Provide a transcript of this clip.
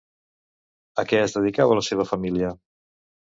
A què es dedicava la seva família?